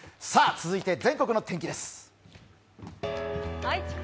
続いて、全国の天気です。